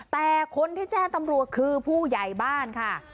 แต่คนที่แจ้งตำรวจคือผู้ใหญ่บ้านค่ะ